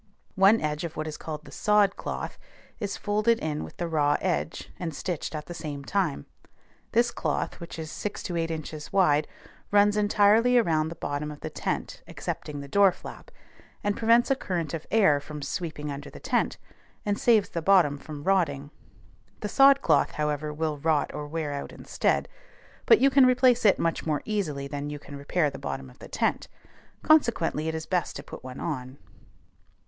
One edge of what is called the "sod cloth" is folded in with the raw edge, and stitched at the same time. This cloth, which is six to eight inches wide, runs entirely around the bottom of the tent, excepting the door flap, and prevents a current of air from sweeping under the tent, and saves the bottom from rotting; the sod cloth, however, will rot or wear out instead, but you can replace it much more easily than you can repair the bottom of the tent; consequently it is best to put one on.